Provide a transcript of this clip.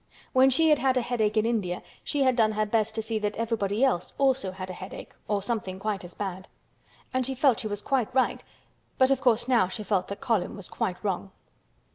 When she had had a headache in India she had done her best to see that everybody else also had a headache or something quite as bad. And she felt she was quite right; but of course now she felt that Colin was quite wrong.